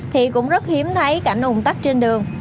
thì cũng rất hiếm thấy cảnh ủng tắc trên đường